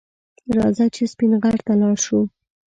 راځه چې سپین غر ته لاړ شو